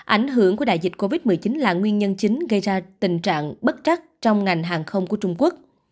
ảnh hưởng của đại dịch covid một mươi chín là nguyên nhân chính gây ra tình trạng bất chắc trong ngành hàng không của trung quốc